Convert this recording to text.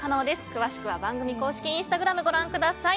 詳しくは番組公式インスタグラムご覧ください。